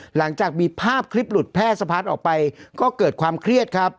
หลังจากมีภาพคลิปหลุดแพร่สะพัดออกไปก็เกิดความเครียดครับ